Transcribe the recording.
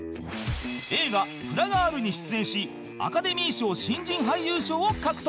映画『フラガール』に出演しアカデミー賞新人俳優賞を獲得した